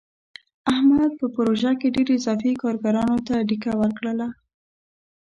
احمد په پروژه کې ډېرو اضافي کارګرانو ته ډیکه ورکړله.